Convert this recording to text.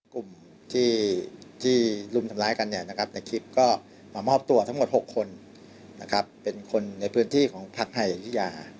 กลุ่มที่รุมทำร้ายกันในคลิปก็มามอบตัวทั้งหมด๖คนเป็นคนในพื้นที่ของพักไทยอยุธยา